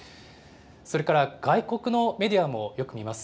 それから外国のメディアもよく見ます。